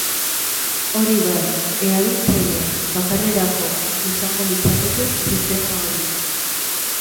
Hori bai, erabiltzaile bakarrerako izango litzateke sistema hori.